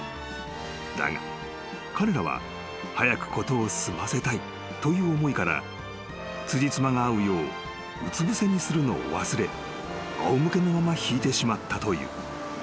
［だが彼らは「早く事を済ませたい」という思いから辻褄が合うよううつぶせにするのを忘れあお向けのままひいてしまったという］